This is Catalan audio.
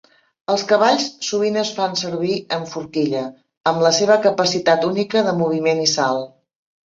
Els cavalls sovint es fan servir en forquilla, amb la seva capacitat única de moviment i salt.